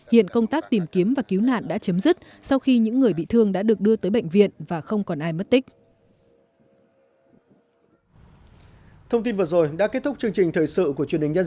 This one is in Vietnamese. hiện công tác tìm kiếm và cứu nạn đã chấm dứt sau khi những người bị thương đã được đưa tới bệnh viện và không còn ai mất tích